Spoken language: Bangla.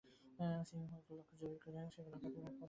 সিঙ্কহোলগুলো খুঁজে বের করে সেগুলোর গতিমুখ বদলাতে হবে।